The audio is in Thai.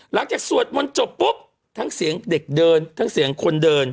สวดมนต์จบปุ๊บทั้งเสียงเด็กเดินทั้งเสียงคนเดิน